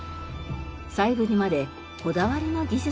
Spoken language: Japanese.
細部にまでこだわりの技術が。